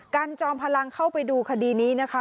จอมพลังเข้าไปดูคดีนี้นะคะ